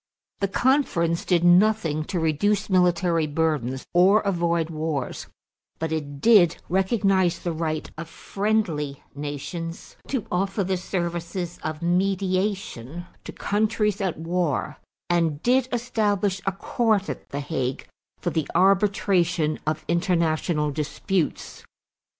The conference did nothing to reduce military burdens or avoid wars but it did recognize the right of friendly nations to offer the services of mediation to countries at war and did establish a Court at the Hague for the arbitration of international disputes.